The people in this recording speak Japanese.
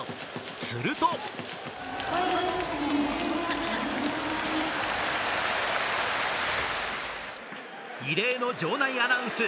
すると異例の場内アナウンス。